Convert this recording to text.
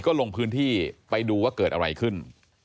ก็ลงพื้นที่ไปดูว่าเกิดอะไรขึ้น